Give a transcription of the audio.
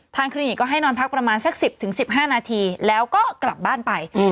คลินิกก็ให้นอนพักประมาณสัก๑๐๑๕นาทีแล้วก็กลับบ้านไป